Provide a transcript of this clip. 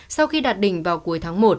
sau khi đạt đỉnh vào cuối tháng một